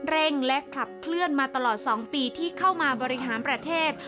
เร่งและขับเคลื่อนมาตลอด๒ปีที่เข้ามาบริหารประเทศ